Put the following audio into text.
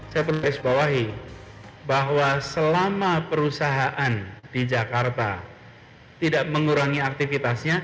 saya perlu sebawahi bahwa selama perusahaan di jakarta tidak mengurangi aktivitasnya